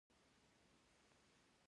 فقر به د باغدارۍ له لارې کم شي.